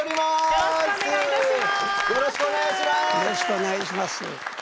よろしくお願いします。